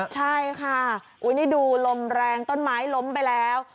ใช่ค่ะนี่ดูลมแรงต้นไม้ล้มไปแล้ว